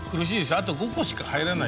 あと５個しか入らない。